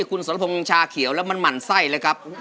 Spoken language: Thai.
คนสระพงชาเขียวและมันหมั่นใส่เลยครับ